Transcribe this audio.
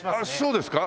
そうですか？